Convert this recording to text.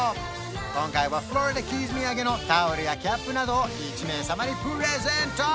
今回はフロリダキーズ土産のタオルやキャップなどを１名様にプレゼント！